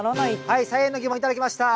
はい菜園の疑問頂きました。